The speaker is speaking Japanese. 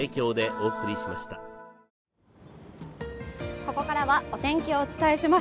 ここからは、お天気をお伝えします。